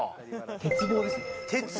鉄棒ですね。